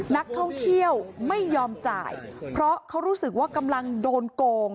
นักท่องเที่ยวไม่ยอมจ่ายเพราะเขารู้สึกว่ากำลังโดนโกง